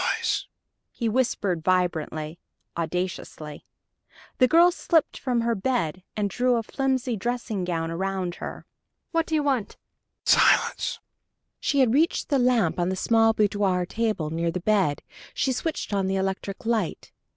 "Ssssh! Don't make any noise," he whispered vibrantly, audaciously. The girl slipped from her bed and drew a flimsy dressing gown about her. "What do you want?" "Silence!" She had reached the lamp on the small boudoir table near the bed. She switched on the electric light.